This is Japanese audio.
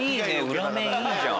裏面いいじゃん。